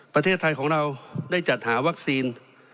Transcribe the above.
ประเทศไทยของเราได้จัดหาวัคซีน